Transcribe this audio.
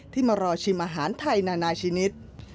มารอชิมอาหารไทยนานาชนิด